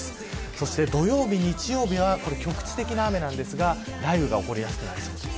そして土曜日、日曜日は局地的な雨なんですが雷雨が起こりやすくなりそうです。